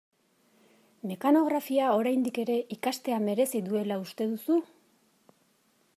Mekanografia, oraindik ere, ikastea merezi duela uste duzu?